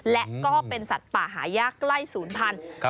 และก็เป็นสัตว์ป่าหายากใกล้ศูนย์พันธุ์